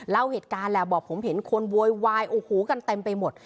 เล่าเหตุการณ์แหละบอกผมเห็นคนโวยวายโอ้โหกันเต็มไปหมด